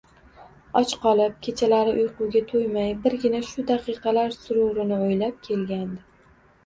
Och qolib, kechalari uyquga to`ymay, birgina shu daqiqalar sururini o`ylab kelgandi